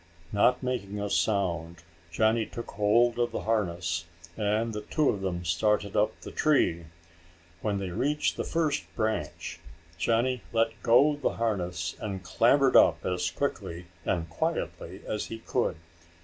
Not making a sound Johnny took hold of the harness, and the two of them started up the tree. When they reached the first branch, Johnny let go the harness and clambered up as quickly and quietly as he could.